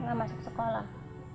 enggak masuk sekolah